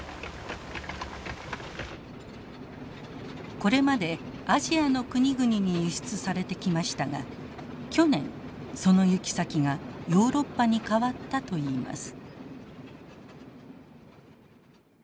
これまでアジアの国々に輸出されてきましたが去年その行き先がヨーロッパに変わったといいます。